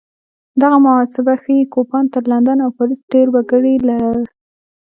دغه محاسبه ښيي کوپان تر لندن او پاریس ډېر وګړي لرل.